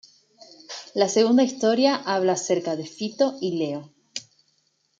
La segunda historia habla acerca de Fito y Leo.